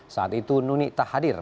saat itu nunik tak hadir